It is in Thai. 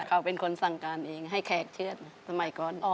เขาเป็นคนสั่งการเองให้แขกเชื่อดสมัยก่อน